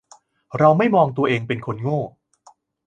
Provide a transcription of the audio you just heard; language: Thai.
เราไม่มองตัวเองเป็นคนโง่